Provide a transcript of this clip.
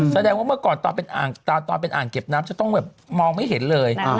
แสดงว่าเมื่อก่อนตอนเป็นอ่างเก็บน้ำจะต้องแบบมองไม่เห็นเลย